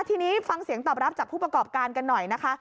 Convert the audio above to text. ทีนี้ฟังเสียงตอบรับจากผู้ประกอบการกันหน่อยนะคะ